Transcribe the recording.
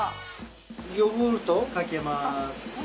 ヨーグルトをかけます。